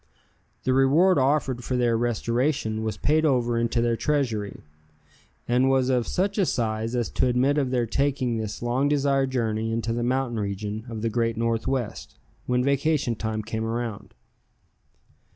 The reward offered for their restoration was paid over into their treasury, and was of such a size as to admit of their taking this long desired journey into the mountain region of the Great Northwest, when vacation time came around.